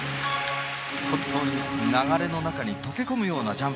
本当に流れの中に溶け込むようなジャンプ。